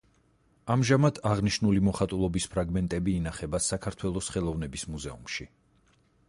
ამჟამად აღნიშნული მოხატულობის ფრაგმენტები ინახება საქართველოს ხელოვნების მუზეუმში.